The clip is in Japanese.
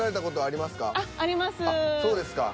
あっそうですか。